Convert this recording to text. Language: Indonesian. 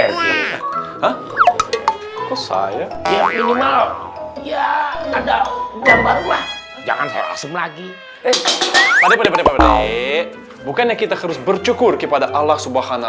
saya ya minimal ya ada gambar jangan lagi adik bukannya kita harus bercukur kepada allah subhanahu